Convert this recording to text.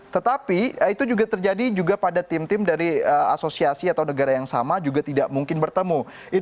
tetapi itu juga terjadi juga pada tim tim dari asosiasi atau negara yang sama juga tidak mungkin bertemu